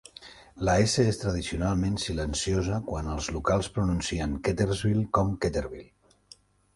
La "s" és tradicionalment silenciosa quan els locals pronuncien Kettlersville com "Kettler-ville".